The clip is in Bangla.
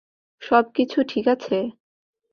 সবকিছু ঠিক আছে?